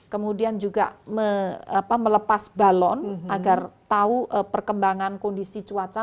kemudian juga melepas balon agar tahu perkembangan kondisi cuaca